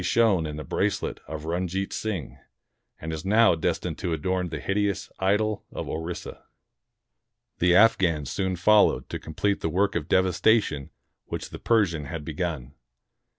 shone in the bracelet of Runjeet Sing, and is now destined to adorn the hideous idol of Orissa. The Afghan soon fol 144 THE DECLINE OF THE MOGUL EMPIRE lowed to complete the work of devastation which the Persian had begun.